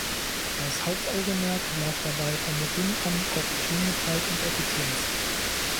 Das Hauptaugenmerk lag dabei von Beginn an auf Geschwindigkeit und Effizienz.